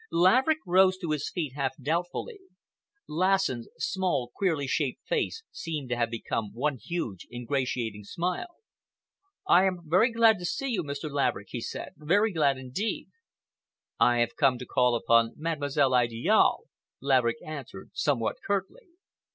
Laverick rose to his feet half doubtfully. Lassen's small, queerly shaped face seemed to have become one huge ingratiating smile. "I am very glad to see you, Mr. Laverick," he said,—"very glad indeed." "I have come to call upon Mademoiselle Idiale," Laverick answered, somewhat curtly.